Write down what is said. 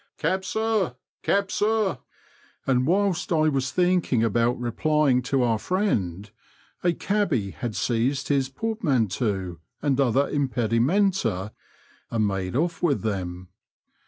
" Cab, sir ! Cab, sir !" and whilst I was thinking about replying to our friend, a cabby had seized his portmanteau and other impedimenta and made off with them.